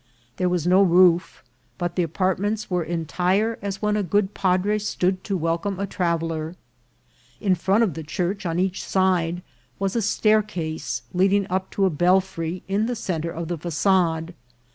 There was no roof, but the apart ments were entire as when a good padre stood to wel come a traveller. In front of the church, on each side, was a staircase leading up to a belfry in the centre of the facade.